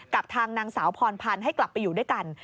กับทางนางสาวพรพันธ์ให้กลับไปอยู่ด้วยกัน